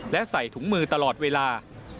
และใส่ถุงมือตลอดเวลา